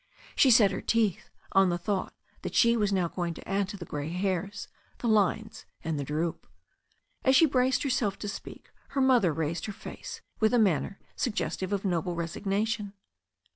She set her teeth on the thought that she was now going to add to the grey hairs, the lines and the droop. As she braced herself to speak, her mother raised her face, with a manner suggestive of noble resignation.